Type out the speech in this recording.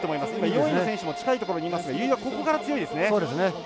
今、４位の選手も近いところにいますが由井は、ここから強いですね。